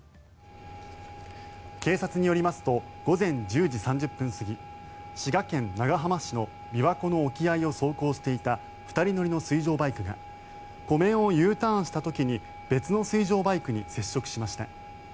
警察によりますと午前１０時３０分過ぎ滋賀県長浜市の琵琶湖の沖合を走行していた２人乗りの水上バイクが湖面をＵターンした時に別の水上バイクに接触しました。